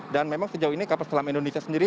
dan memang sejauh ini kapal selam indonesia sendiri